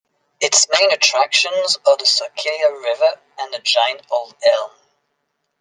Its main attractions are the Cerquilla River and the Giant Old Elm.